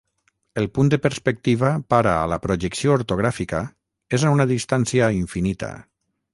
El "punt de perspectiva" para a la projecció ortogràfica és a una distància infinita.